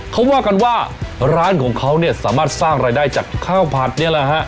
เขาว่ากันว่าร้านของเขาเนี่ยสามารถสร้างรายได้จากข้าวผัดนี่แหละฮะ